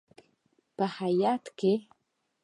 په هیات کې: